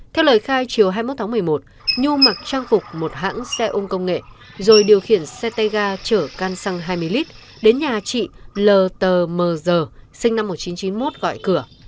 theo lời khai chiều hai mươi một tháng một mươi một nhu mặc trang phục một hãng xe ôm công nghệ rồi điều khiển xe tay ga chở can xăng hai mươi lit đến nhà chị l mg sinh năm một nghìn chín trăm chín mươi một gọi cửa